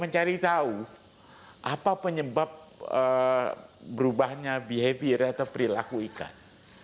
mencari tahu apa penyebab berubahnya behavior atau perilaku ikan